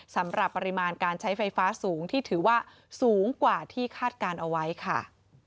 สำหรับปริมาณการใช้ไฟฟ้าสูงที่ถือว่าสูงกว่าที่คาดการณ์เอาไว้ค่ะ